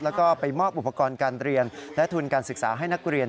แล้วก็ไปมอบอุปกรณ์การเรียนและทุนการศึกษาให้นักเรียน